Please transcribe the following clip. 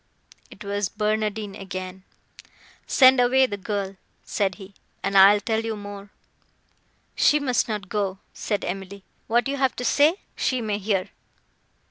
It was Barnardine again. "Send away the girl," said he, "and I will tell you more." "She must not go," said Emily; "what you have to say, she may hear."